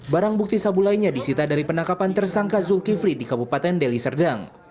barang bukti sabu lainnya disita dari penangkapan tersangka zulkifli di kabupaten deli serdang